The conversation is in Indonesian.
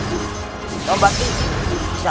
kau akan saja memberikan disaham